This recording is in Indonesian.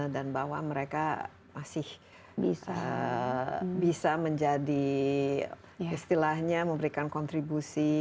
dan bahwa mereka masih bisa menjadi istilahnya memberikan kontribusi